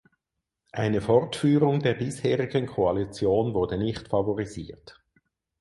Eine Fortführung der bisherigen Koalition wurde nicht favorisiert.